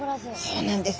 そうなんです。